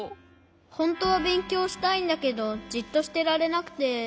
ほんとはべんきょうしたいんだけどじっとしてられなくて。